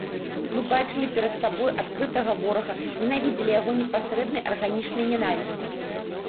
Мы бачылі перад сабой адкрытага ворага, ненавідзелі яго непасрэднай арганічнай нянавісцю.